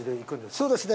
そうですね